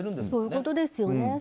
そういうことですよね